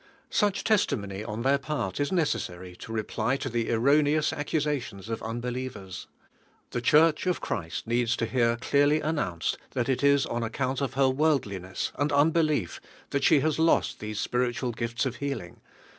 Such testimony on their part is neces sary to reply to | he erroneous accusations of unbelievers. The Church of Christ needs to hear clearly announced that it is DIVINE HEALING. on account of her worldliness and unbe lief that she has lost these spiritual gifts of healing (I.